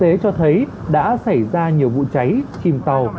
tế cho thấy đã xảy ra nhiều vụ cháy chìm tàu